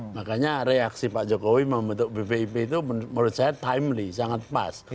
makanya reaksi pak jokowi membentuk bpip itu menurut saya timlly sangat pas